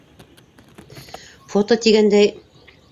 Фото тигәндәй...